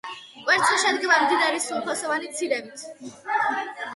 კვერცხი შედგება მდიდარი სრულფასოვანი ცილებით.